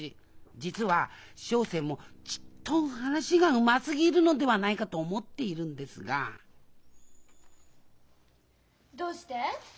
実は小生もちっと話がうますぎるのではないかと思っているんですがどうして？